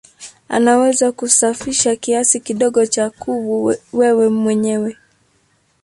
Unaweza kusafisha kiasi kidogo cha kuvu wewe mwenyewe.